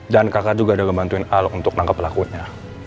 dan kakak juga udah ngebantuin al untuk nangkep pelakunya